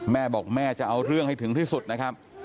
แม่บอกแม่จะเอาเรื่องให้ถึงที่สุดนะครับ